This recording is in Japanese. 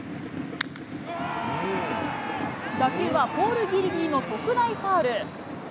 打球はポールぎりぎりの特大ファウル。